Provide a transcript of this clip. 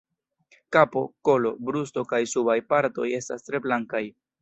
Kapo, kolo, brusto kaj subaj partoj estas tre blankaj.